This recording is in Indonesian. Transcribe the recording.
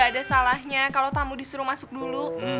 gak ada salahnya kalau tamu disuruh masuk dulu